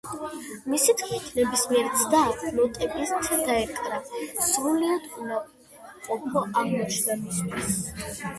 მისი თქმით, ნებისმიერი ცდა, ნოტებით დაეკრა, სრულიად უნაყოფო აღმოჩნდა მისთვის.